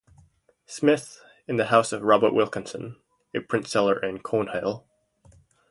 Smith, in the house of Robert Wilkinson, a printseller in Cornhill.